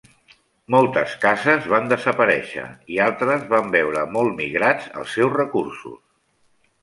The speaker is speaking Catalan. Moltes cases van desaparèixer i altres van veure molt migrats els seus recursos.